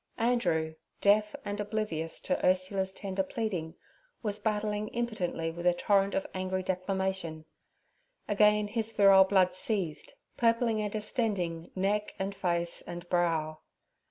Andrew, deaf and oblivious to Ursula's tender pleading, was battling impotently with a torrent of angry declamation. Again his virile blood seethed, purpling and distending neck and face and brow.